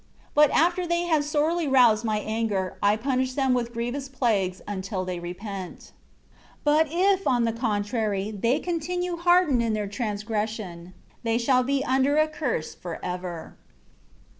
But after they had sorely roused My anger, I punished them with grievous plagues, until they repent. 10 But, if on the contrary, they still continue hardened in their transgression, they shall be under a curse forever."